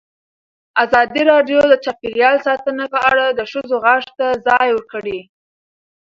ازادي راډیو د چاپیریال ساتنه په اړه د ښځو غږ ته ځای ورکړی.